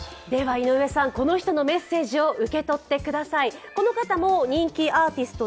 井上さん、この人のメッセージを受け取ってください。